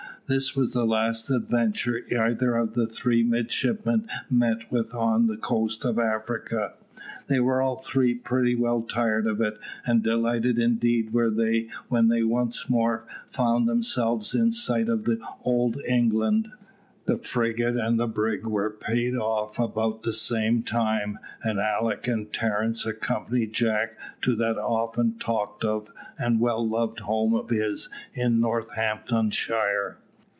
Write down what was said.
This was the last adventure either of the three midshipmen met with on the coast of Africa. They were all three pretty well tired of it, and delighted indeed were they when they once more found themselves in sight of Old England. The frigate and brig were paid off about the same time, and Alick and Terence accompanied Jack to that often talked of and well loved home of his in Northamptonshire.